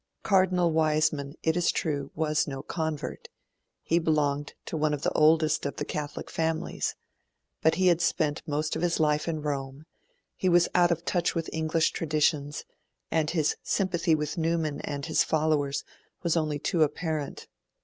Cardinal Wiseman, it is true, was no convert; he belonged to one of the oldest of the Catholic families; but he had spent most of his life in Rome, he was out of touch with English traditions, and his sympathy with Newman and his followers was only too apparent.